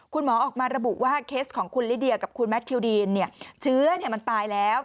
คุณหมอออกมาระบุว่าเคสของคุณลิเดียกับคุณแมททิวดีนเชื้อมันตายแล้ว